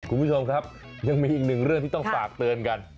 คุณผู้ชมครับยังมีอีกหนึ่งเรื่องที่ต้องฝากเตือนกัน